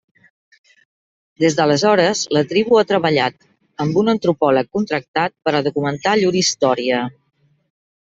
Des d'aleshores la tribu ha treballat amb un antropòleg contractat per a documentar llur història.